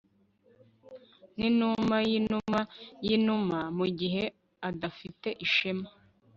ninuma yinuma yinuma mugihe adafite ishema